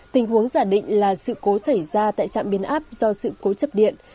tình huống giả định là sự cố xảy ra tại trạm biến áp do sự cố chập điện